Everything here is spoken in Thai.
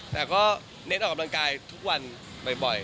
แต่ก็เน้นออกกำลังกายทุกวันบ่อย